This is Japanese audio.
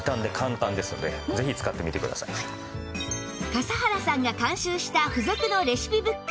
笠原さんが監修した付属のレシピブック